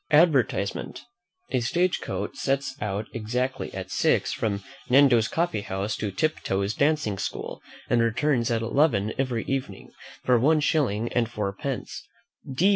ADVERTISEMENT. A stage coach sets out exactly at six from Nando's coffee house to Mr. Tiptoe's dancing school, and returns at eleven every evening, for one shilling and four pence.